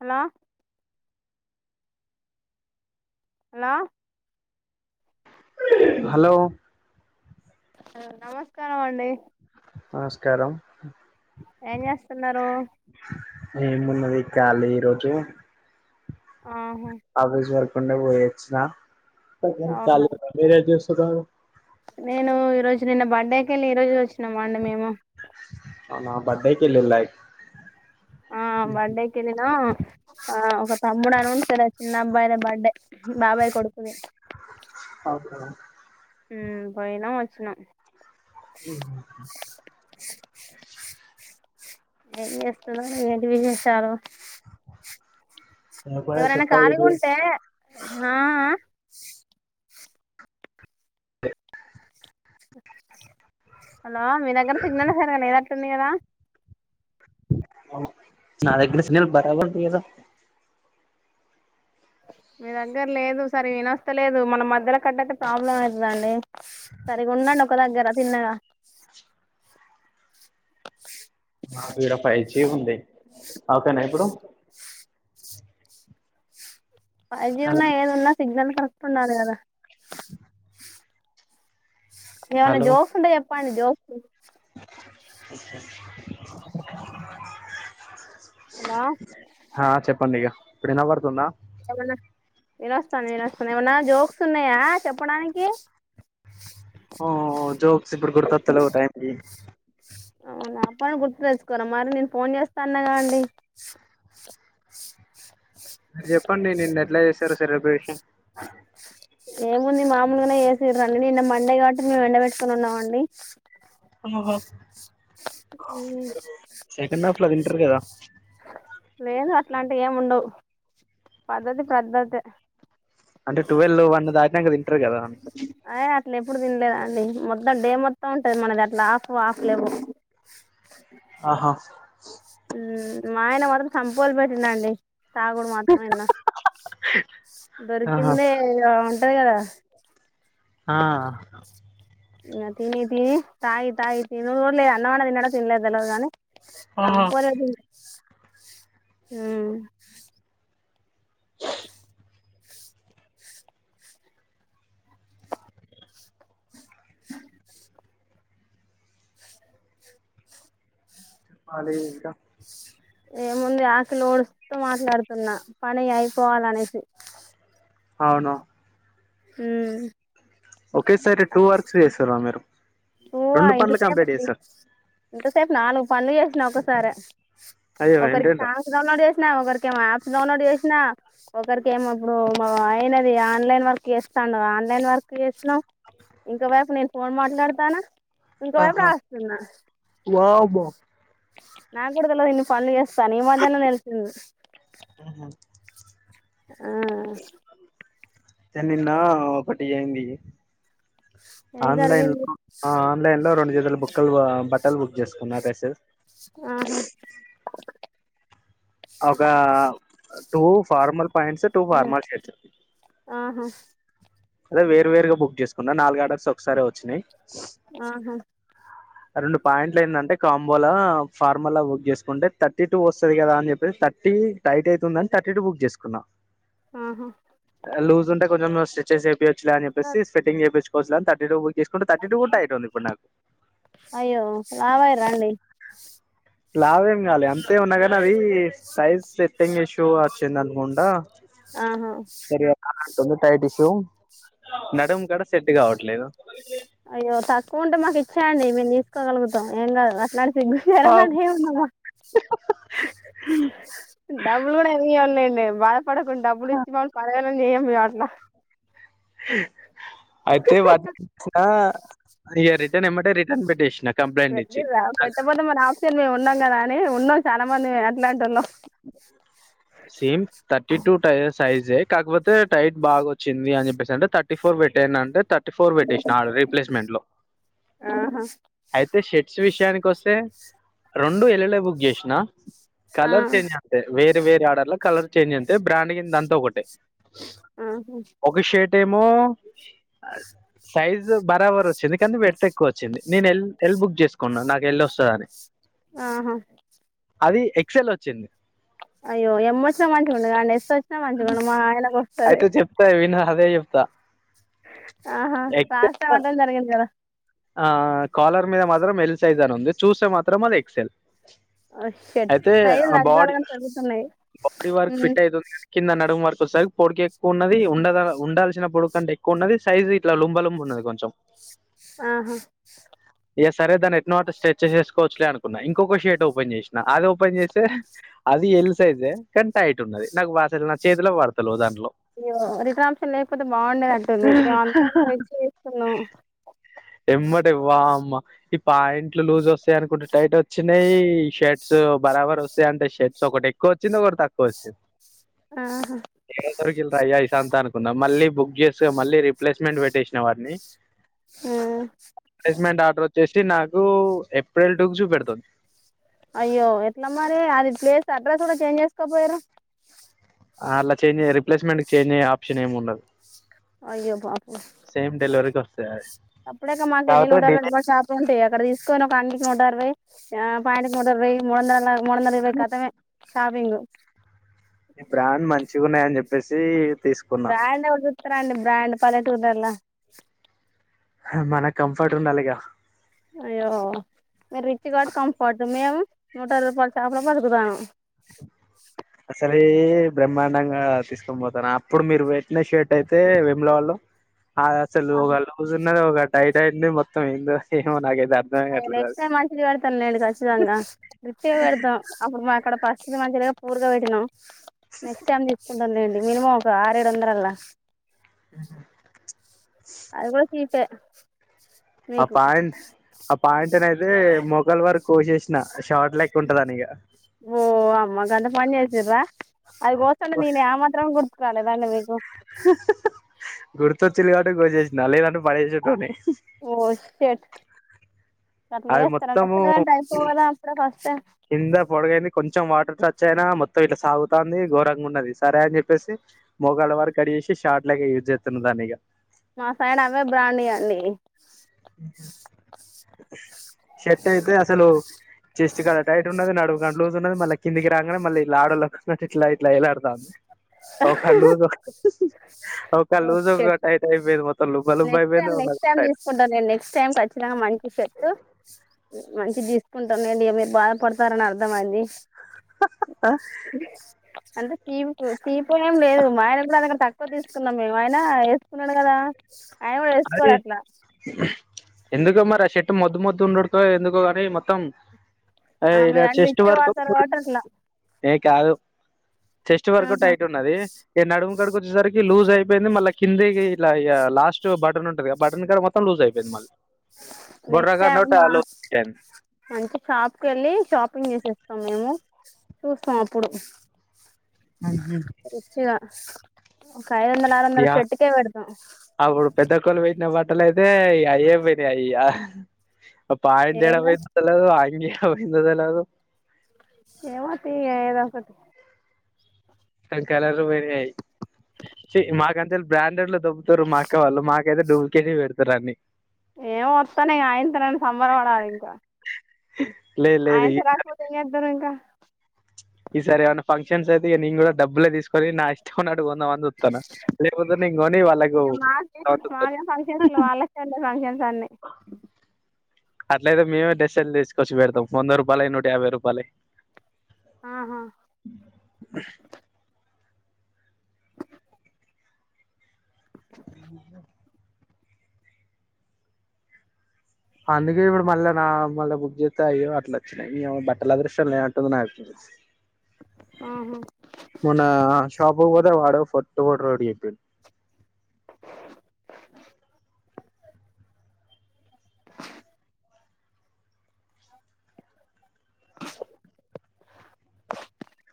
Hello hello hello నమస్కారాం అండి నమస్కారం ఏం చేస్తున్నారు ఏమున్నది కాలి ఈరోజు ఆహా మండే పోయచ్చిన చాల అవునా [unintelligible] మీజ [unintelligible] నేను ఈ రోజు నిన్న బర్డేకి వెళ్ళ ఈ రోజు వచ్చ్ న్నామ అండి మేము అవునా బడ్డే కేలి ఆ బర్డేకి వెళ్ళిన ఆ ఒక తమ్ముడా అని ఉండి చిన్న అబ్బాయిదే బర్త్డే బాబాయ్ కొడుకుది అవునా పోయినం వచ్చినం హ్మ్ ఏం చేస్తున్నావ్ ఏంటి విశేషాలు నువ్వే ఎవరైనా చెప్పాలి ఖాళీగా బ్రో ఉంటే హలో మీ దగ్గర సిగ్నల్ సరిగ్గా లేదట్ టుందిగదా నా దగ్గర స్నిల్ బర్ర గొట్టి ఏదో మీ దగ్గర లేదు సరే వినొస్తలేదు మన మధ్యలో కట్టైతే ప్రాబ్లమ్ ఐతుందండి సరిగుండండి కొ దగ్గర తిన్నగా ఈడ ఫైవ్ చీ ఉంది ఓకేనా ఇప్పుడు ఫైవ్ జీ వున్నా ఏదున్నా సిగ్నల్ కరెక్ట్ ఉండాలె గదా ఏమన్నా హలో జోస్ ఉంటే ఏ ప్పండి జోక్సు హలో హా చెప్పండిగ ఇప్పుడు ఇనపడుతుందా ఏమన్నా వినొస్తాంది వినొస్తాంది ఏమన్నా జోక్స్ ఉన్నాయా చెప్పడానికి ఓ జోక్స్ ఇప్పుడు గుర్తొత్తలేవు టైంకి అవునా పోనీ గుర్తు తెచ్చుకోరా మరి నేను ఫోన్ చేస్తా అన్నాగా అండి సరు సరే బేషిన్ ఏముంది మామూలుగానే ఏసిర్రండి నిన్న మండే కాబట్టి మేము ఎండబెట్టుకొని ఉన్నామండి అమబాబ్ మ్ సెకండ్ హాఫ్ లో తింటారు కదా లేదు అట్లాంటి ఏము ఉండవు పద్ధతి పద్ధతే అంటే టువెల్ లో వన్ దాటినాం తి పెట్టారు కదా అట్లు ఎప్పుడు తినలే అండి మొత్తం డే మొత్తం ఉంటుంది మనది అట్లా ఆఫ్ ఆఫ్ లేవు ఆహా మ్ మా ఆయన మత్రం కంపోలు పెట్టిందండి తగుోడు మాత్రం ఇలా ఆహా దొరికిందే అంతే కదా ఆ నా తిన తినీ తాయ్ తాయ్ తిను [unintelligible] అన్నవన తిన్నాడో లేదో తెల్వదు గాని ఆహా సంపలే హ్మ్ చొప్పాలి ఇంకా ఏముంది ఆకలి ఊడుస్తూ మాట్లాడుతున్నా పని అయిపోవాల అనేసి అవునా హ్మ్ ఒకేసారి టూ వర్క్స్ చేసారా మీరు ఊవ రెండు ఎంత పనులు కంప్లీట్ సేపండి చేస్తారు ఇంతసేపు నాలుగు పనులు చేసిన ఒకసారే అయ్యో ఒకరికి ఏంటేంటో సాంగ్స్ డౌన్లోడ్ చేస్ ఒకరిక ఏ యాప్ డౌన్లోడ్ చేసిన ఒకరికి ఏమొ ఇప్పుడు అయినది ఆన్లైన్ వర్క్ చేస్తాండు ఆన్లైన్ వర్క్ చేసినా ఇంకో వైపు నేను ఫోన్ మాట్లాడు తానా ఆహా వా బా నా కూడా తెలవదు ఇన్ని పనులు చేస్తా అని ఈ మధ్యనే తెలిసింది మ్మ్. ఆ చెన్నిన్న ఒక ఈయండి ఏం ఆన్లైన్ జరిగింది ఆన్లైన్లో రెండు బుక్కలు బట్టలు బుక్ చేసుకున్నా పేసెల్ ఆహా ఒక two formal pants two formal shirts ఆహా అదే వేరు వేరుగా బుక్ చేసుకున్న నాలుగు ఆర్డర్స్ ఒకసారే వచ్చినాయ్ ఆహా రెండు పాయింట్లు ఏంటంటే కాంబోలో ఫార్మలా బుక్ చేసుకుంటే థర్టీ టూ వస్తది కదా అని చెప్పేసి థర్టీ టైట్ అయితుందని థర్టీ టూ బుక్ చేసుకున్నా ఆహా లూజ్ ఉంటే కొంచెం సె చేసేవ్ లే అని చెప్పేసి స్పెట్టింగ్ చేపి [unintelligible] తీసుకుంటే థర్టీ టూ గుట్ట అయితుంది ఇప్పుడు నా అయ్యో లావయ్యిర్రా అండి లావేం కాలే అ తే ఉన్నాగానీ అవి సైజ్ సెట్టింగ్ ఇష్యూ వచ్చింది అనుకుంటా ఆహా తొగ్గు తైటిష్ నడుం కాడ సెట్ కావట్లేదు అయ్యో తక్కువ ఉంటే మాకు ఇచ్చాయండి మేము తీసుకోగలుగుతాం ఏం కాదు అట్లా సిగ్గు శరాలు ఏముందమ్మా డబ్బులు గూడా ఏమి ఈయమ్లే మేమ్ [unintelligible] పడుకొని డబ్బులు ఇచ్చినోళ్లను పడేయాలని అమియే అట్లా హు అయితే వా ఇచ్చిన రిటర్న్ ఎమ్మటే రిటర్న్ కనిపెట్టేషిన పెట్టి రా పెట్ట పోతే మరి ఆప్షన్ మేం ఉన్నాం గదా ఏ ఉన్నాం చాలా మంది ఏట్లాంటోల్లం సేమ్ థర్టీ టు సైజే కాకపోతే టైట్ బాగా వచ్చింది అని చెప్పేసి అంటే థర్టీ ఫోర్ పెట్టేయండి అంటే థర్ థర్టీ ఫోర్ పెట్టేషిన ఆడ రీప్లేస్మెంట్ లొ ఆహా అయితే షర్ట్స్ విషయానికి కోసే రెండు ఎల్ ఎల్ ఏ బుక్ చేష్నా ఆ వేర్ వేర్ ఆర్డర్ల కలర్ చేంజ్ ఉంటాయి బ్రాండ్ అంతా ఒకటే ఆహా అంటేమో సైజు బరాబర్ వచ్చింది కానీ విడ్త్ ఎక్కువ వచ్చింది నేను ఎల్ బుక్ చేసుకున్నా నాకు ఎల్ వస్తుంద అని ఆహా అది ఎక్సెల్ వచ్చ వచ్చింది అయ్యో ఎమ్ వచ్చిన మంచిగుండు ఎల్ ఎల్ వచ్చిన మంచిగుండు మా ఆయన వ అయితే చెప్తారు విన అదే చెప్తా ఆహా రాస్త ఎక్సెల్ అటడం జరిగింది కదా ఆ కాలర్ మీద మాత్రం ఎల్ సైజ్ అని ఉంది చూస్తే మాత్రం అది ఎక్సెల్ షర్ట్ అయితే సైజ్ ఆ తగ్గాలే బాడీ గాని పెరుగుతున్నాయి ఉ సరి పొడగు ఎక్కువ ఉన్నది ఉండ ఉండాల్సిన పొడగు అంటే ఎక్కువ ఉన్నది సైజు ఇట్లా లుంబలుం ఉన్నది కొంచెం ఆహా ఏ సరే దాన్ని ఎట్నోఅట్నా సెట్ చేసుకోవచ్చలే అనుకున్నా ఇంకొక షర్ట్ ఓపెన్ చేసినా అది ఓపెన్ చేస్తే అది ఎల్ సైజే కానీ టైట్ ఉన్నది నాకు బాస నా చేతిలే పడతలే దాన్ని అయ్యో రిటర్న్ ఆప్షన్ లేకపోతే బాగుండేది అంటుంది మేము అంతా ఎంత వచ్చి చేస్తున్నాం ఎమ్మటి వామ్మ ఈ పాంట్లు లూజ్ వస్తాయి అనుకుంటే టైట్ వచ్చినాయి షర్ట్స్ బరాబర్ వస్తాయి అంటే షర్ట్స్ ఒకటి ఎక్కువ వచ్చింది ఒకటి తక్కువ వచ్చింది ఆహా ఏడ దొరికిన్రయ్య [unintelligible] తంతా అనుకున్నా మళ్ళీ బుక్ చేస్తు మళ్ళీ రిప్లేస్మెంట్ పెట్టేసిన వాటిని హ్మ్ రీప్లేస్మెంట్ ఆర్డర్ వచ్చేసి ఇది నాకు ఏప్రెల్ టూ కి చూపెడుతుంది అయ్యో ఎట్లా మరి అది ప్లేస్ అడ్రస్ కూడా చేంజ్ చేసుకోపోయారు అలా చేంజ్య రిప్లేస్మెంట్ చేంజ్ అయ్యే ఆప్షన్ ఏమి ఉండదు అయ్యో పాపం సేమ్ డెలివరీకి వస్తది అది అప్పుడేగా మాకు వెళ్ళి కాకపోతే నూటరవై డిలే రుపాయాలు షాప్ ఉంటాయి అక్కడ తీసుకొని ఒక అన్ని [unintelligible] నూటరవై ఆ పాయింట్ కి నూటరవై ముడందల మూడొందల ఇరవై కతమే షాపింగు ఈ బ్రాండ్ మంచిగున్నాయని చెప్పేసి తీసుకున్నా బ్రాండ్ ఎవరు చూత్త రండి బ్రాండ్ పల్లెటూర్లల హ మన కంఫర్ట్ ఉండలిగా అయ్యో మీరు రిచ్ కాబట్టి కంఫర్ట్ మేము నూటరవై రూపాయలు షాప్ లో బతుకుతాన్నము అదే బ్రహ్మాండంగా తీసుకొని పోతాన్న అప్పుడు మీరు పెట్టిన షర్ట్ అయితే వెేముల వాళ్ళో అవి అస్సలు ఒగ లూజ్ ఉన్నది ఒగ టైట్ వస్తాయి అండి మొత్తం ఏంది వస్తాయో ఏమో నాకె అయ్యో నెక్స్ట్ టై మంచిది పెడతం లేండి కచ్చితంగా రిచ్చిగా పెడతాం అప్పుడు మా కుడా ఇది మంచిగా లేద పూర్ గా పెట్టినం నెక్స్ట్ టైం తీసుకుందాం అండి మినిమం ఒక ఆరు ఏడు వుండల్లా [inaudible] అది గూడా తీటే ఆ పాయింట్ ఆ పాయింట్ నైయితే మొ మొకాలు వరకు కోసేసిన షార్ట్ లెక్క ఉంటదని ఇక ఓ అమ్మగాద బంద్ చేసిర్రా అది గోస్తంటే నేన్ యా మాత్రాం గుర్తు రాలేద అండి మీకు [inaudible] గుర్తొచ్చిర్రు కబాట్టే గోచేసిన లేదంటే పడేసేటోడిని ఓ సేట్ అట్లా అది చెస్తారా నచ్చలేదంటే అయిపో కదా అప్పుడే వస్తే హింద పొడగాయింది కొం కొంచెం వాటర్ టచ్ అయినా మొత్తం ఇట్లా సాగుతోంది ఘోరంగా ఉన్నది, సరే అని చెప్పసి మోగాళ్ళ వారు కడి చేసి షార్ట్ లాగా యూజ్ చేస్తున్న దాన్ని ఇక మా పైన అవే బ్రానీ అండి షర్ట్ అయితే అసలు లూస్ ఉన్నది మళీ కిందికి రాగానే మళ్ళీ ఈ డ లొకిట్ ఇట్లాట్లా ఎలాడుతాంది ఒకజ ఒక ఓ జ షట్ ఒక టయితే అయిపోయిను మొత్తం లబ్బా లుబ్బా అయిపోయినా ను నెక్స్ట్ టైకి వచ్చిన మంచి చెట్ మంచి తీసుకుంటానండి మీరు బాధపడతారని అర్థంమయింది అంత కటీ ఇప్పు ఏం లేదు మా ఆన కూడా అ తక్కువ తీసుకున్నాం మేము ఆయన కున్నాడు కదా ఆయన కూడా వేసుకోడు అట్లా ఎందుక మరి ఆ చెట్టు మద్దు మద్దు ఉండడు ఎందుకు ని మొత్తం ఆమె ఇలా అ చెస్ట్ ఇచ్చ వరకు వార్తాల టర్కలా ఏ కారు చెస్ట్ వరకు ఆహా టైట్ ఉన్నది ఈక నడు కడిక వచ్చేసరికి లూజ అయిపోయిందిళ్ళ కింద ఇట్ లాస్ట్ బటన్ ఉంటుంది బటన్ కడ మొత్తం లూజ్ అయిపోయిందిళ్ళీ నెక్స్ట్ ఏమా అయిపోయింది మంచి షాప్ క వెళ్ళి షాపింగ్ చేసేస్త మేము చూస్తాం అప్పుడు ఆ అస్ ఒక కఐదుంద నాలందర చెటుకే పెడదం మట్టల అయితే అయ అయ్యే పరి అయ్యా అ ప్యాంట్ యాడ పోయందు ఏదో [unintelligible] [unintelligible] ఎందుకు తెల్వదు ఎవ తీదకటి కలర్ వర మాక అంత బ్రాండెడ్ లో దబ్ ఇరు మాక్క వాల్ మా యితే డుబ్కెటి పెడుతరన్ని ఏం వస్తానే ఆయనంత నాక్ సంబంధమ్ లెద్ ఇంకా లేదు లేదు ఈ ఆయసరక్పోదు ఇం అద్దరు ఇంకా ఈ సారివన్ ఫంక్షన్స్ అయితే ఈ నంగ్ం కూడా డబ్ులే తీసుకొని నా ఇస్ కొ వస్తాను లేకపోతే నం కొని ఇక మాకే వాళ్ళకుాను మాకే ఫంక్షన్స్ లో వాళ్ళకే ఉంటాయి ఫంక్షన్స్ అన్ని అట్లయితే మేమ ెస్సైలు తీసుకొచ్చి పెడతాం వంద రూపాయలు నూట యాభై రూపాయ ఆహా అ అందుకే ఇప్పుడు మళ్ళా నా మళ్ళీ బు్ చేస్తాయ్యో అట్లా వచ్చినాయి బట్టల అదృశ్యం లే అంటుంది నా ఆహా మన ాబ బధా వాడ ఫో ఫ రడిపి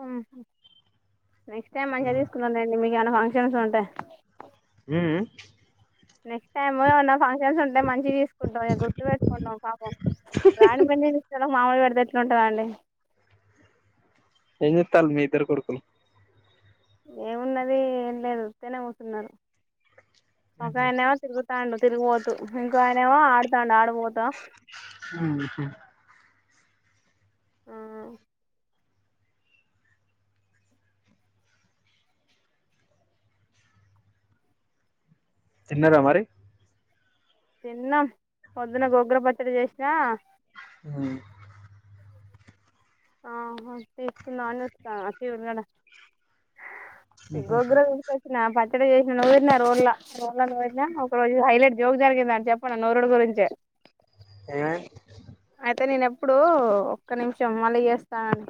అ నెక్స్ట్ టైమ్ మంచిగా తీసుకునునండి మీకు ఇ ఫంక్షన్స్ ఉంటే హ నెక్స్ట్ టైమ్ ఫక్షన్ ంటే మంచిగా తీసుకుంటాం గుర్తు పెెట్టుకుంటాం పాపం బ్రాణ పడిస్త మాములు పెడితే ఎట్లు ఉంటుందండి ఎతాల మీ ఇద్దరు కొడుకుల ఏమున్నది ఏం లేదు తనే కూతున్నారు సకా ఎవ తిరుగు తాండు తిరిగిపోతు ఇంకా ఆయనమో ఆడుతాండు ఆడిపోతా అ ఆ చిన్నార మరి తిన్నాం పొద్దున గొగ్ర పట్టడి చేసిన అ ఆ తీసుకుందా అని వస్తా తీరడ గోగ్రచ్చిన పా ఇడ చేసిన నూరిన రోల్ల రోల నూరిన ఒక రోజు హైలైట్ జోక్ జరిగింద అని చెప్పండి నూరుడు గురించే ఏవ ఇప్పుడు ఒక్క నుంచ మళ్ళీ చేస్తానని